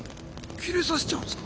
キレさせちゃうんですか？